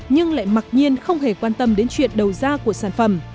nhưng lại mặc nhiên không hề quan tâm đến chuyện đầu ra của sản phẩm